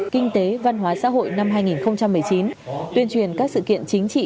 kinh tế văn hóa xã hội năm hai nghìn một mươi chín tuyên truyền các sự kiện chính trị